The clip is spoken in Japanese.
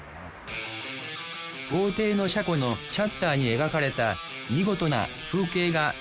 豪邸の車庫のシャッターに描かれた見事な風景画。